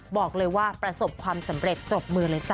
บอกเลยว่าประสบความสำเร็จปรบมือเลยจ้